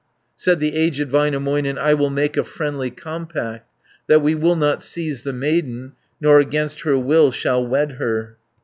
Said the aged Väinämöinen, "I will make a friendly compact, That we will not seize the maiden, Nor against her will shall wed her.